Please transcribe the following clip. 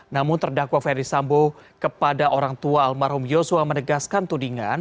namun terdakwa ferdisambo kepada orang tua almarhum yosua menegaskan tudingan